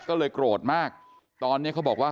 ก็เลยโกรธมากตอนนี้เขาบอกว่า